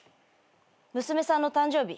娘さんの誕生日。